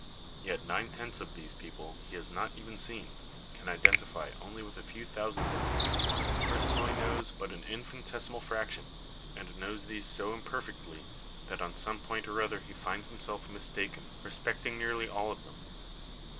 Tet nine tenths of these people he has not even seen; can identify only a few thousands of them ; personally knows but an infinitesimal fraction; and knows these so imperfectly that on some point or other he finds himself mistaken respecting nearly all of them.